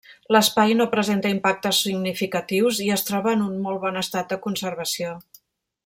L'espai no presenta impactes significatius i es troba en un molt bon estat de conservació.